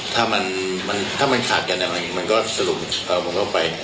ถ้าขาดแต่กันแหละมาพรีมสรุปมันก็ไป